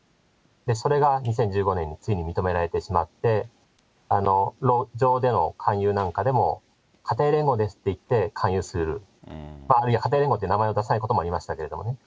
それが２０１５年についに認められてしまって、路上での勧誘なんかでも、家庭連合ですって言って勧誘する、家庭連合って出さないこともありましたけれどもね。